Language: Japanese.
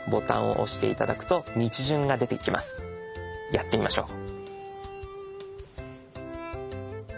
やってみましょう。